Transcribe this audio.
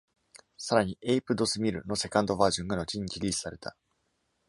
さらに、「Ape Dos Mil」のセカンドバージョンが後にリリースされた。